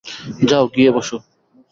যাও গিয়ে বসো।